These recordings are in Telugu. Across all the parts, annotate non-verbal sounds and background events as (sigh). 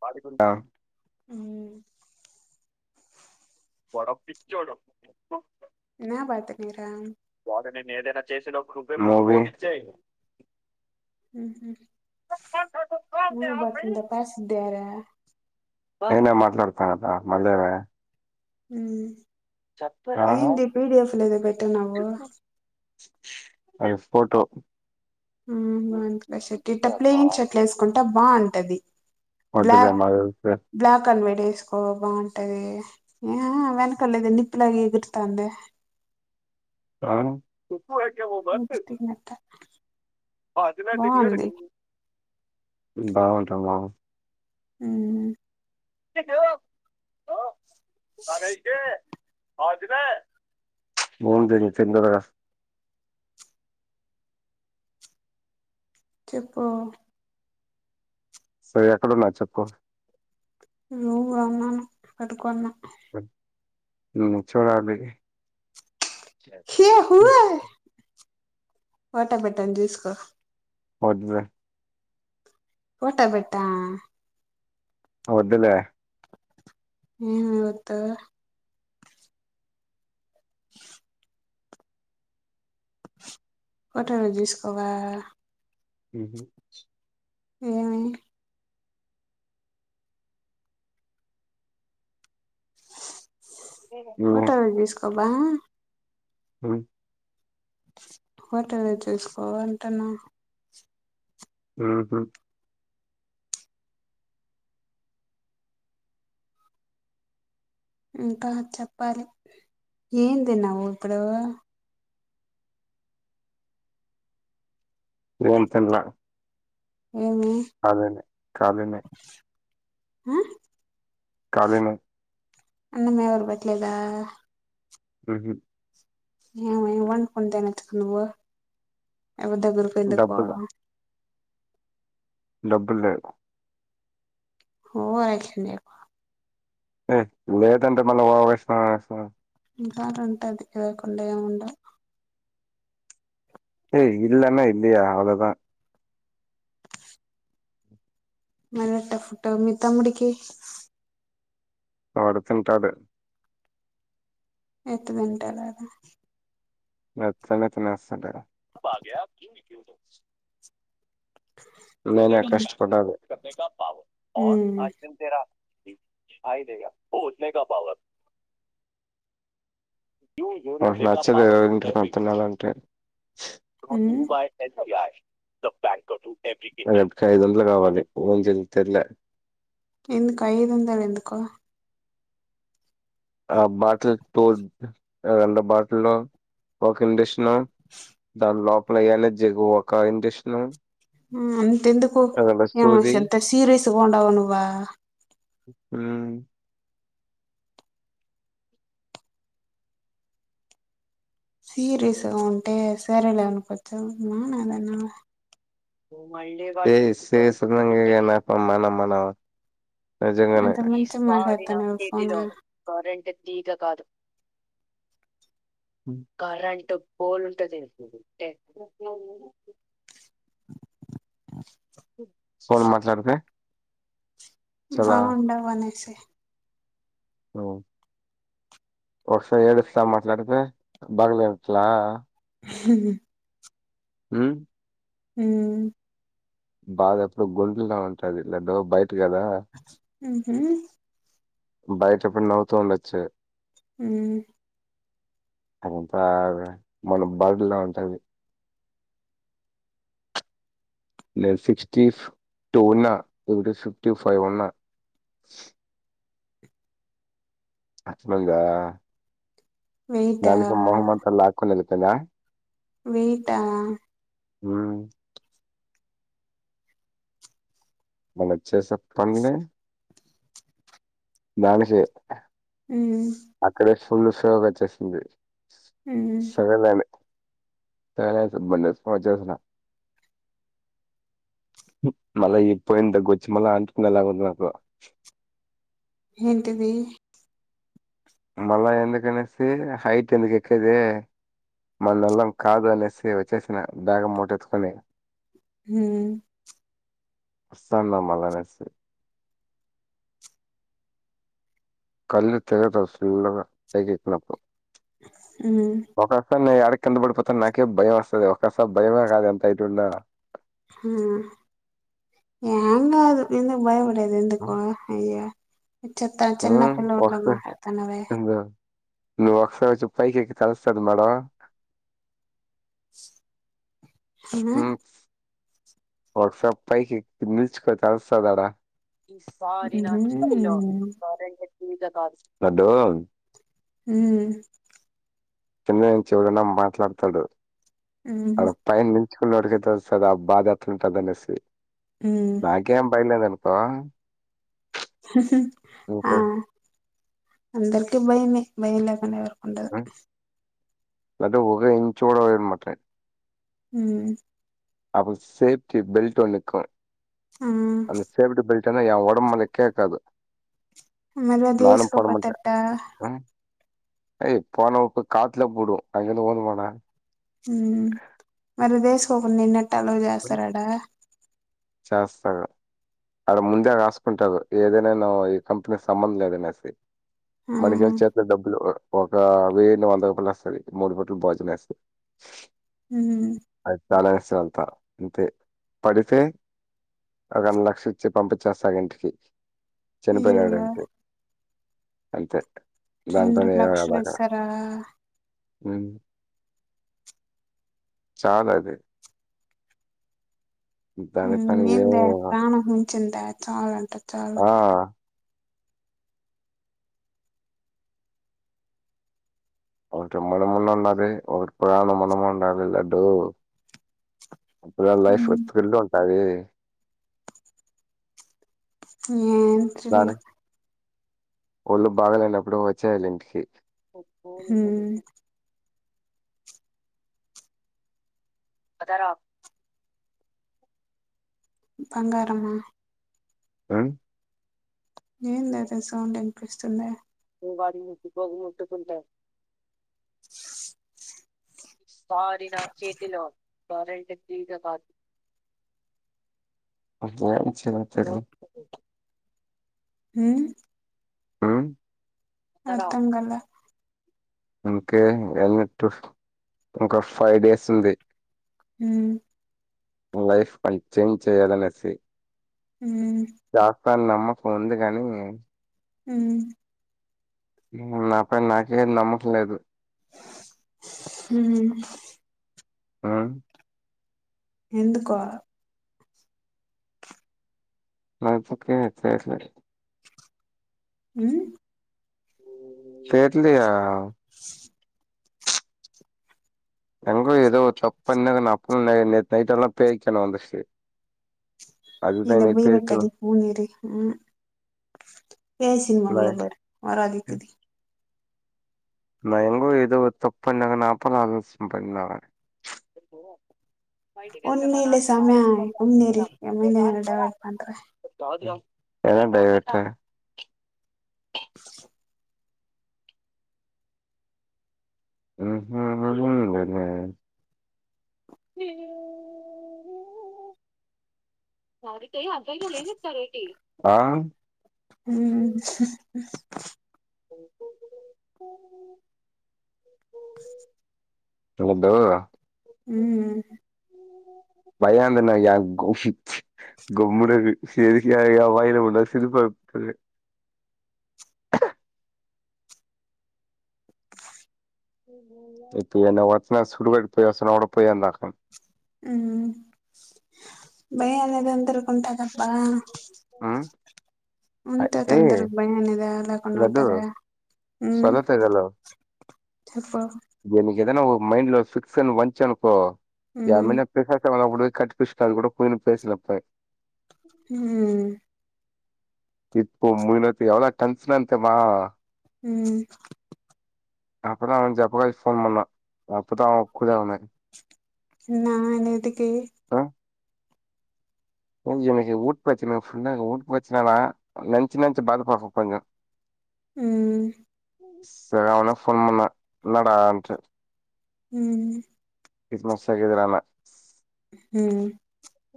బాదికుంట ఉ వాడో పిచ్చోడు నా బతకి రామ్ మూవీ ఉహు మూవీ బాక్స్ అంతా పార్సద్ద్యయారా ఐనా మాట్లాడతాగదా మల్లేమి ఉం ఆ ఏంది పిడిఎఫ్ లో ఏదో పెట్టున్నావు అది స్పొటో ఉ బాంది ఇట్ల షర్ట్ ఇట్ట ప్లెయిన్ షర్ట్లేస్కుంటె బాంటది వద్దులే బ్లాక్ మాకు బ్లాక్ అన్వడే ఏసుకోవ బాంటది మాఆ వెనకాల ఇది నిప్పులాగ ఎగురుతాంది ఆన్ నీ ఇష్టమే అంతా అది మ తని వర క బాగుంటావ ఉ హలో బాగైతే బాందిలే బావుంటే నువ్వు తీందరారా చెప్పు సరె ఎక్కడున్నా చెప్పు రూంలోనె ఉన్న కడుకోన్న అ ఉం ఒకసారి రా బైకి హే హువే ఫోటో బెట్టాన్ చూసుకో వజ్జా ఫొటొ పెట్ట వద్దులే ఏం వద్దు ఫోటోలొ చూసుకోవ హూ మ్ ఏమైంది మటాగిస్కుకం బా (inaudible) హోటల్ చూసుకోవాలంటున్నా హూ హుం ఇంకా చెప్పాలి ఏం తిన్నావ్ ఇప్పుడు ఏేం తిన్లా ఏమి అదనే కాలినే హ కాలినే అన్నము ఎవరు పెట్టలేదా హూ హుం ఏ ఎం వండుకొని తినచ్చుకుందువు ఎవరి దగ్గరకి ఎందుకు డబ్బులు పావ్ డబ్బులు లేవ్ ఓవరాక్షన్ చేయకు ఏ లేదంటే మళ్ళ ఓవరాక్షన్ చేస్తావ్ ఇంకాా రుంటది అది లేకుండా ఏం ఉండ ఏయి ఇల్నా యిదియ గదా అలదా మలెట్టా ఫుడ్ మీ తమ్ముడికి ఆడు తింటాడు ఎట్ట తింటాడు ఆడ నచ్చ నీ తినేస్తాడు నేనే ఉమ్ కష్ట పడాలి క పావ ఓ అర్జున్ తేడా ఆయిదే గా నాకు నచ్చదు (unintelligible) తినాలంటే ఉమ్ బా రేపు టికీ ఐదు వందలు కావాలి ఓన్ తిన్ తిన్లే ఎందుకు ఐదు వందలు ఎందుకు ఆ బాటిల్ తోడ్ రెండో బాటిల్లో ఒక ఇండష్ ృష్ణ ద లో పళ నా జగ ఓకా ఎంటష్ణు ఆ ంత ఎందుకు ఏమో ఎంత సీరస్ బొండవానువ్వా హూ సీరేస్ గా ఉంటే సరలేనుకోచ్చమా నాదన్నా ే ఏ సేసుగునంగనపం మనమనా నిజంగానే నాతో మంచిగా మాట్లాడుతున్నారు ఫోన్ కరెంు బల్ంటుంది ఉ ఫోన్ మాట్లాడితే చాలా బాగుందవ్ అనేసి ఉమ్ ఒకసారి ఏడుస్తా మాట్లాడితే బాగలేట్లా ఉహు ఉహ్ ఉమ్ భాద ఎప్పుడూ గోతులోనే ఉంటది లేకపోతే బైట్ కదా ఉహు బయట ఎప్పుడు నవ్వుతూ ఉండొచ్చు ఉమ్ అంత మన బాడీలో ఉంటది ఎ సిక్స్టీ టూన్నా లేదంటే ఫిఫ్టీ ఫైవ్ ఉన్నా అర్థం అయిందా వెయిటా దాని స మహమ్మ అలాక్కొనది. కదా వేట ఉమ్ మన వచ్చేసే (unintelligible) దను సే ఉమ్ ఫుల్లు సేవగాచ్చేసింది మ్మ్ సరేదనే సరే సబ్బ వచ్చేసిన మళ్ళా ఈ మళ్ళీ పోయిన దగు వచ్చి మళ్ళీ అంటుకున్నలాగా నాకు ఏంటిది మళ్ళా ఎందుకనేసి హైట్ ఎందుకు ఎక్కేది మన నల్లం కాదు అనేసి వచ్చేసిన దాగ మూట్టెత్తుకొని. ఉమ్ వస్తాన్లో మలాానేసి కల్ తెగదస్తు చాలగ పైకి ఎక్కినపుడు మ్మ్ ఒకస్తారి నేడికి కింద పడిపోత నాకే భయం వస్తుది ఒసారి భయమే కాదు ఎంత అయిటు ఉన్నా ఉమ్ ఎంగ్ కాదు ఎందుకు భయప గది ఎందుకు అయ్య ఇ చెత్త మ్మ్ చిన్నప్పుల్లఊర్లో ఒకసారి మాట్లాడుతునవే ఒకసారి చెప్తే నీకి తెలుస్తుంది మేడం ఐనా వట్సప్ పైకి (unintelligible) కదరా మ్మ్ (unintelligible) లడ్డూ ఉమ్ కింద నుంచి ఎవరైనా మాట్లాడతాడు మ్మ్ ఆడ పై (unintelligible) ఉన్నోడికేం తెలుస్సదా ఆ బాధ ఎట్లా ఉంటదనేసి మ్మ్ నాకేం భయంలేదు అను పా ఆ అందరికి భయమే భయం లేకుండా ఎవరు ఉండ లడ్డు ఒక ఇంచ్ కూడా (unintelligible) మ్మ్ అప్పు సేఫ్టీ బెల్ట్ నిక్కము ఆ కాని ఎవ్వరం మనకే కాదు మళ్ళ ఎసుకపోతే ఎట్టా (unintelligible) ఉమ్ మరిది ఏసుకోకుండా (unintelligible) ట్ట ఎందుకు చేస్తారడా చేస్తారు అడ ముందే రాసుకుంటారు ఏదైనా ఈ కంపెనీకి సంబంధం లేదనేసి ఆ మనిషిలా (unintelligible) డబ్బులు ఒక వెయ్యని వంద రూపాయలు వస్తుది మూడు పుట్ల భోజనం వేస్తంది ఉమ్ చాలా ఇష్ట అంతా అంతే పడితే ఒక అన్ని లక్ష ఇచ్చి పంపచేస్తారు ఇంటికి అయ్యయ్యో చనిపోయినాడంటే అంతే రెండు దానిపైన లక్షలు ఇస్తారా హమ్ చాలు అది హమ్ దానిపైన ఏం ఏంది ప్రాణం చింత చాలు అంట ఆ ఒక మన మన్న ఉండాలదు ఒకరిప్పుడును మనము ఉంటాల లేడుూ అప్పుడు లైఫ్ ఉమ్ ఒక థ్రిల్ ఉంటాది హ్మ్ ఎం థ్రిల్ కానీ ఒళ్ళు బాగలేనప్పుడు వచ్చేయళి ఇంటికి ఎ ఉమ్ బదార బంగారమా హ్మ్ ఏంది అతే సౌండ్ వినిపిస్తుంది వాడిని దెబ్బకి ముట్టుకుంటారు సారీ నా చేతిలో ఏం చేస్తారు? హ్మ్ హామ్ అత్తంగల ఇంకే వేలనట్టు ఇంకా ఫైవ్ డేస్ ఉంది హ్మ్ లైఫ్ పని చేంజ్ చేయాలనేసి హ్మ్ వాళ నమ్మకం ఉంది కాని హ్మ్ నాపై నాకే నమ్మకంలేదు హ్మ్ ఆ ఎందుకో (inaudible) హ్మ్ పెట్లియా ఎంగ ఏదో చెప్ పన్న అప్పు న నైట్ ఎలా పయకన వందిచ్చ ఇ బీవ కది పూ నీరు హమ్ కేసిన మంగళ పారు వరాది కది నయంంగ ఏద తప్ప నాప ఆసం ప బయటికి వెళ్తే మా నాన్న కళ్ళు ఇరగగొడతారా నేను రాను పోరా అది కాదు రా ఎదంటయిట (inaudible) అతేయి అంతయిగా లేని చెతారు ఏటి హా హ ఎద్దవు హమ్ పయాంతన్నా మ్ గమ్ముడ సరి వయల ఉడా శరుపతుదు ఇప్పు ఎ వచ్చన సుడువడికి పోయి వస అడ పోయి అందాక ఉ భయ అనేదు అంతకుంటాకాల్ బ ఉంతా ఏ తందరి భయనద అలా ప్పన రద్దు ఉంటార సొలతగలవు చెప్ప దీనికి ఏదైనా మైండ్ లో ఫిక్స్ అని వంచ అనుకో మిన కస మ ఒక కట్ పచ కాదు కూడా పోయి పేసలపా హమ్ ఇప్పు మునతి ఎవలా కన్సన అంతేమా హమ్ అప్పుడు అను జప్ప కలిసి ఫోన్ పన్నా అప్పుత ఒ కుద ఉన్నాయి నా నది ప ఊట్పో ఫుల్ ఊట్ వచ్చ లంచ లంచంచి బాపాకు కొంచెం హమ్ సరే అవున ఫోన్ పన్నా ఎడాంట హమ్ క్రిస్మస్ ఆగదరానా హమ్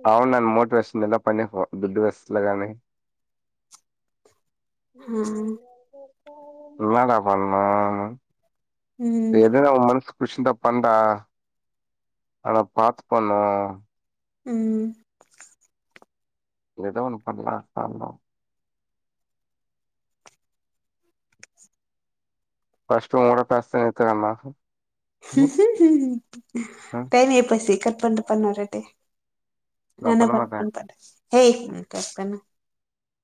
అవునును మోటివేషన్ ఎలా ప దుడ్డు వస్లగానే ఆ బజ కాప్పడన్నా మ్మ్ ఏద మనసు షంట పం ఆలా పాతు పనం మ్మ్ ఎదో ఒన్న పనేస్తన్నం ఫస్ట్ ఉ కూడా పస్తస్తతుమ్మా పని పసి క పన్ను పన్ను రెడ్డి అన్న ప పడి పట్ హే పన్న